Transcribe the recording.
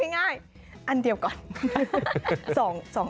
ง่ายอันเดียวก่อน